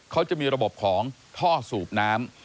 เขาจะมีระบบของท่อสูบน้ำ